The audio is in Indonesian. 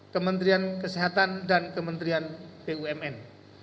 kementerian kesehatan dan kementerian bumn